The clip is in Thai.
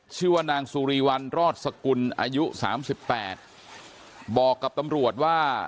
ชื่อว่านางสุรีวันรอดสกุลอายุสามสิบแปดบอกกับตำรวจว่า